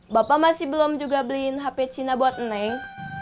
bapak masih belum juga beliin hp cina buat neng